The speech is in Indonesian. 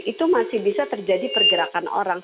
itu masih bisa terjadi pergerakan orang